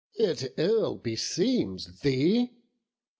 It ill beseems thee!